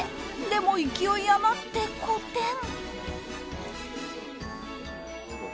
でも勢い余って、こてん。